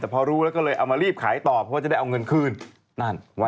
แต่พอรู้แล้วก็เลยเอามารีบขายต่อเพราะว่าจะได้เอาเงินคืนนั่นไว้